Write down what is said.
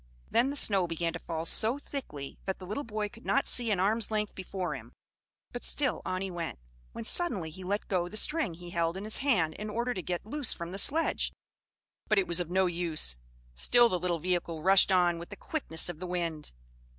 Then the snow began to fall so thickly that the little boy could not see an arm's length before him, but still on he went: when suddenly he let go the string he held in his hand in order to get loose from the sledge, but it was of no use; still the little vehicle rushed on with the quickness of the wind.